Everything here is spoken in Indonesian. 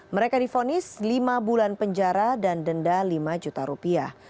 mereka difonis lima bulan penjara dan denda lima juta rupiah